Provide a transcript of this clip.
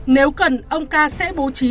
nếu cần ông ca sẽ bố trí